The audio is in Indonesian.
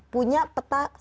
punya peta sendiri